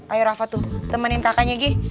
ayo rafa tuh temenin kakaknya gi